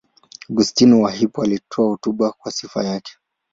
Augustino wa Hippo alitoa hotuba kwa sifa yake.